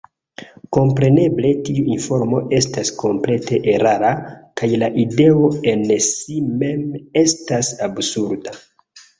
Kompreneble tiu informo estas komplete erara, kaj la ideo en si mem estas absurda.